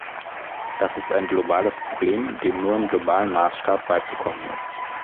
Das ist ein globales Problem, dem nur im globalen Maßstab beizukommen ist.